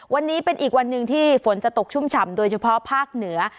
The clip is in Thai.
วันนี้เป็นอีกวันหนึ่งที่ฝนจะตกชุ่มฉ่ำโดยเฉพาะภาคเหนือ